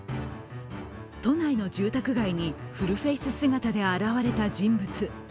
都内の住宅街にフルフェイス姿で現れた人物。